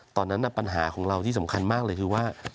ตอนนั้นปัญหาของเราที่สำคัญมากเลยคือว่า